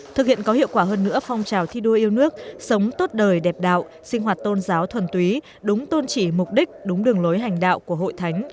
thực hiện có hiệu quả hơn nữa phong trào thi đua yêu nước sống tốt đời đẹp đạo sinh hoạt tôn giáo thuần túy đúng tôn trị mục đích đúng đường lối hành đạo của hội thánh